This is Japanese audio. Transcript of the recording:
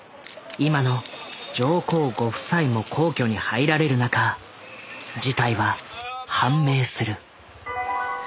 今の上皇ご夫妻も皇居に入られる中事態は判明する。